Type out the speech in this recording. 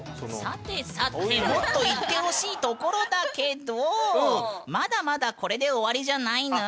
さてさてもっといってほしいところだけどまだまだこれで終わりじゃないぬん。